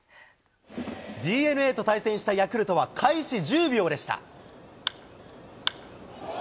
ＤＮＡと対戦したヤクルトは開始１０秒でした。